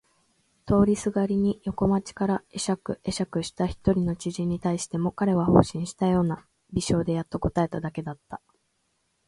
通りすがりに横町から会釈えしゃくした一人の知人に対しても彼は放心したような微笑でやっと答えただけだった。